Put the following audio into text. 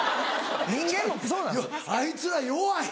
あいつら弱い。